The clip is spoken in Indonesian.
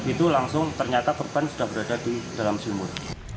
itu langsung ternyata korban sudah berada di dalam sumur